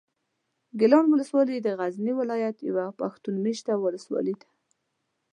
ګیلان اولسوالي د غزني ولایت یوه پښتون مېشته اولسوالي ده.